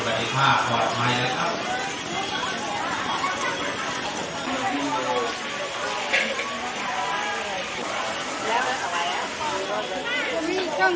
น้ำพริกกลับเพราะมีเยอร์เยียม